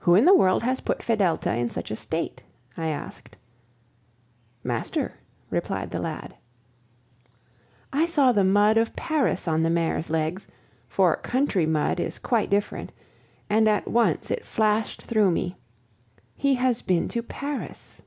"Who in the world has put Fedelta in such a state?" I asked. "Master," replied the lad. I saw the mud of Paris on the mare's legs, for country mud is quite different; and at once it flashed through me, "He has been to Paris."